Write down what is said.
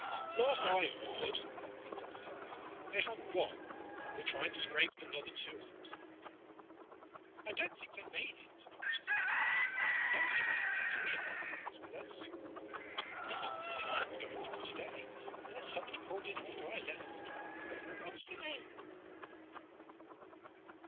"Last I heard," said Dr. Hitz, "they had one, and were trying to scrape another two up." "I don't think they made it," she said. "Nobody made three appointments with us. Nothing but singles going through today, unless somebody called in after I left. What's the name?"